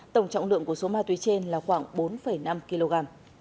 tổng trọng lượng của số ma túy trên là khoảng bốn năm kg